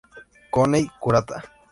Kohei Kurata